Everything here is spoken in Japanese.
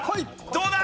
どうだ！